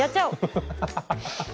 ハハハハハ。